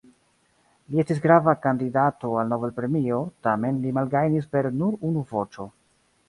Li estis grava kandidato al Nobel-premio tamen li malgajnis per nur unu voĉo.